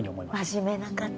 真面目な方。